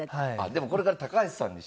でもこれから「高橋さん」に。